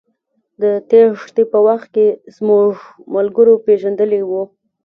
د تېښتې په وخت زموږ ملګرو پېژندلى و.